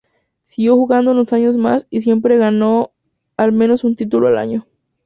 Siguió jugando unos años más y siempre ganó al menos un título al año.